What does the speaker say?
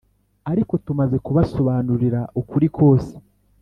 Ariko tumaze kubasobanurira ukuri kose